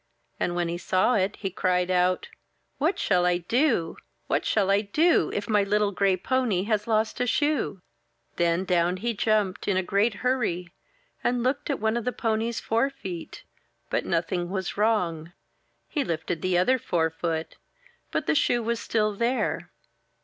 And when he saw it, he cried out: — ''What shall I do? What shall I do, If my little gray pony has lost a shoe?'* Then down he jumped, in a great hurry, and looked at one of the pony's forefeet; but nothing was wrong. He lifted the other forefoot, but the shoe was still there.